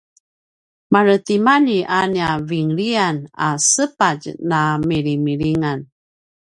maretimalji a nia vinlian a sapitj na milimilingan